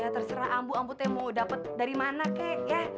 ya terserah ambu ambu teh mau dapet dari mana kek ya